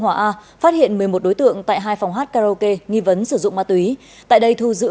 hòa a phát hiện một mươi một đối tượng tại hai phòng hát karaoke nghi vấn sử dụng ma túy tại đây thu giữ